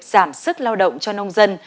giảm sức lao động cho nông dân